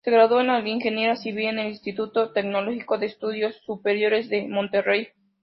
Se graduó en Ingeniería Civil en el Instituto Tecnológico de Estudios Superiores de Monterrey.